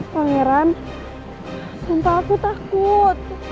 pangeran sumpah aku takut